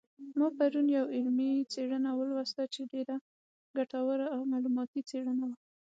ما پرون یوه علمي څېړنه ولوستله چې ډېره ګټوره او معلوماتي څېړنه وه